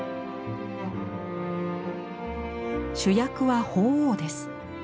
主役は鳳凰です。